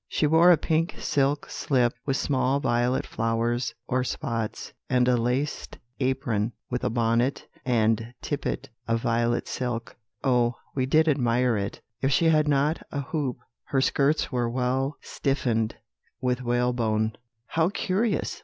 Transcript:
"She wore a pink silk slip, with small violet flowers, or spots, and a laced apron, with a bonnet and tippet of violet silk. Oh, we did admire it! If she had not a hoop, her skirts were well stiffened with whalebone." "How curious!"